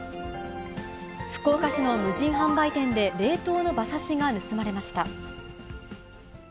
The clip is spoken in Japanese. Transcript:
福岡市の無人販売店で、冷凍の馬刺しが盗まれました。